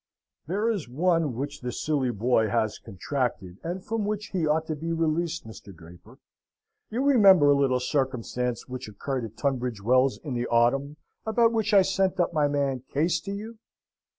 "There is one which the silly boy has contracted, and from which he ought to be released, Mr. Draper. You remember a little circumstance which occurred at Tunbridge Wells in the autumn? About which I sent up my man Case to you?"